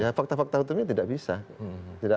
ya fakta fakta hukumnya tidak bisa